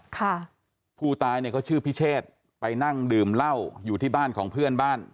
ค่ะผู้ตายเนี่ยเขาชื่อพิเชษไปนั่งดื่มเหล้าอยู่ที่บ้านของเพื่อนบ้าน